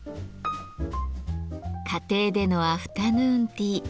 家庭でのアフタヌーンティー。